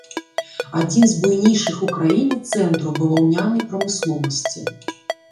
Адзін з буйнейшых у краіне цэнтраў баваўнянай прамысловасці.